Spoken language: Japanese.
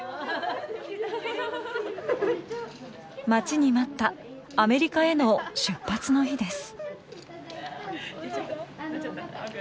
待ちに待ったアメリカへの出発の日です。